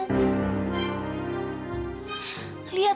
dia pengen milikin kamu